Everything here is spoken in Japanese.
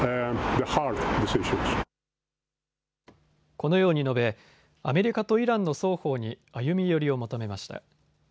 このように述べアメリカとイランの双方に歩み寄りを求めました。